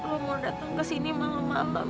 lo mau dateng kesini malem malem